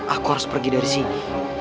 aku harus pergi dari sini